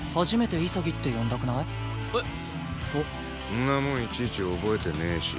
んなもんいちいち覚えてねえし。